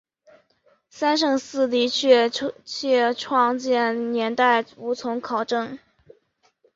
三圣寺的确切创建年代无从考证。